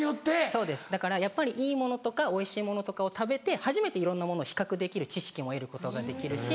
そうですだからやっぱりいいものとかおいしいものとかを食べて初めていろんなものを比較できる知識も得ることができるし。